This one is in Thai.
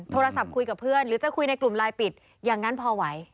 โทรศัพท์คุยกับเพื่อนหรือจะคุยในกลุ่มไลน์ปิดอย่างนั้นพอไหว